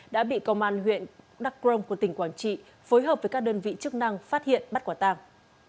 đã bị công an huyện đắk rông của tỉnh quảng trị phối hợp với các đơn vị chức năng phát hiện bắt quả tàng